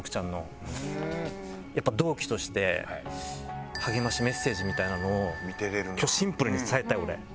やっぱ同期として励ましメッセージみたいなのを今日シンプルに伝えたい俺。